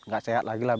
gak sehat lagi lah